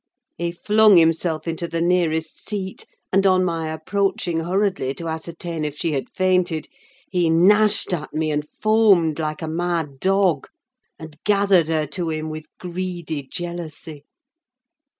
He flung himself into the nearest seat, and on my approaching hurriedly to ascertain if she had fainted, he gnashed at me, and foamed like a mad dog, and gathered her to him with greedy jealousy.